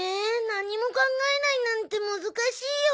何も考えないなんて難しいよ。